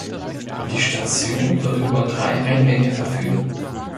Die Station wird über drei Eingänge verfügen.